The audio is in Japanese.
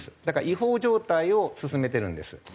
だから違法状態を進めてるんです。